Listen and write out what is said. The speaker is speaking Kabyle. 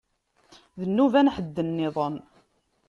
D nnuba n ḥedd nniḍen.